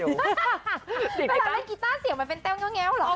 เวลาเล่นกีต้าเสียงมันเป็นแต้วเหรอ